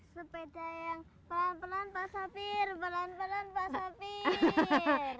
sepeda yang pelan pelan pak sapir pelan pelan pak sapi